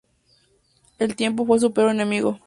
El tiempo fue su peor enemigo.